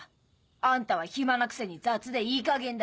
あんたは暇なくせに雑でいいかげんだ。